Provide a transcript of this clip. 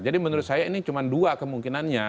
jadi menurut saya ini cuma dua kemungkinannya